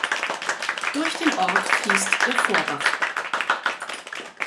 Durch den Ort fließt der Vorbach.